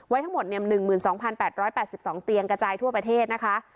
ทั้งหมด๑๒๘๘๒เตียงกระจายทั่วประเทศนะคะ